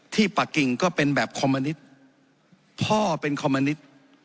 ปะกิ่งก็เป็นแบบคอมมะนิตพ่อเป็นคอมมะนิต